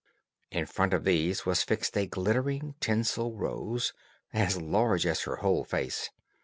In front of these was fixed a glittering tinsel rose, as large as her whole face.